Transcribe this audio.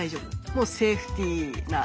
もうセーフティーな色。